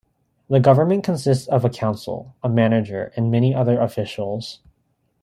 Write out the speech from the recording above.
The government consists of a council, a manager, and many other officials.